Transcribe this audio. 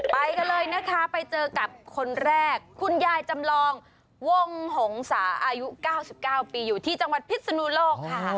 ไปกันเลยนะคะไปเจอกับคนแรกคุณยายจำลองวงหงษาอายุ๙๙ปีอยู่ที่จังหวัดพิศนุโลกค่ะ